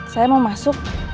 saya mau masuk